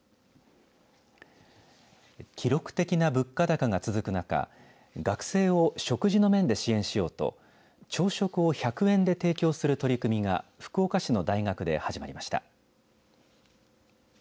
記録的な物価高が続く中学生を食事の面で支援しようと朝食を１００円で提供する取り組みが福岡市の大学で始まりました。